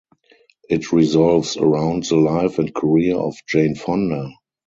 It revolves around the life and career of Jane Fonda.